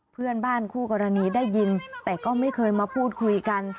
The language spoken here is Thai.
เพื่อนบ้านคู่กรณีได้ยินแต่ก็ไม่เคยมาพูดคุยกัน